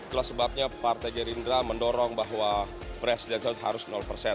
itulah sebabnya partai gerindra mendorong bahwa presiden trump harus persen